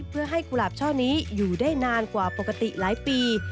เพื่อให้กุหลาบช่อนี้อยู่ได้นานกว่าปกติหลายปี